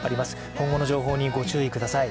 今後の情報にご注意ください。